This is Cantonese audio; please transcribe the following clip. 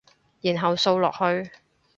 然後掃落去